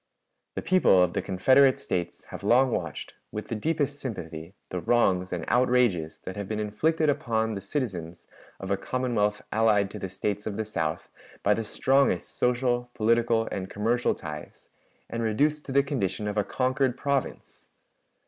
"The people of the Confederate States have long watched, with the deepest sympathy, the wrongs and outrages that have been inflicted upon the citizens of a Commonwealth allied to the States of the South by the strongest social, political, and commercial ties, and reduced to the condition of a conquered province.